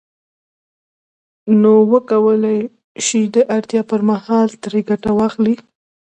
نو وکولای شي د اړتیا پر مهال ترې ګټه واخلي